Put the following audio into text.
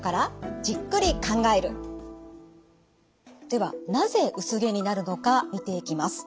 ではなぜ薄毛になるのか見ていきます。